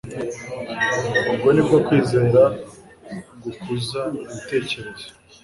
Ubwo nibwo kwizera gukuza ibitekerezo